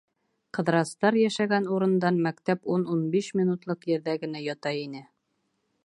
Ҡыҙырастар йәшәгән урындан мәктәп ун-ун биш минутлыҡ ерҙә генә ята ине.